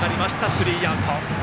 スリーアウト。